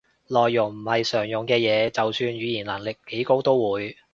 內容唔係常用嘅嘢，就算語言能力幾高都會